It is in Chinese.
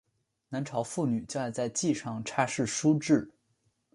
南朝妇女就爱在髻上插饰梳栉。